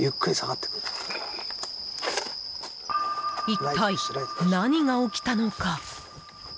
一体何が起きたのか。